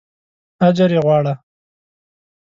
اجر یې غواړه.